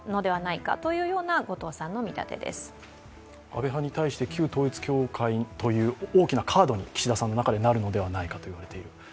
安倍派に対して旧統一教会という大きなカードに岸田さんの中でなるのではないかといわれている。